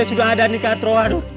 sudah ada nih katro